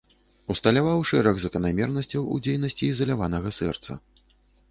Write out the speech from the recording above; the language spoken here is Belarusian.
Усталяваў шэраг заканамернасцяў у дзейнасці ізаляванага сэрца.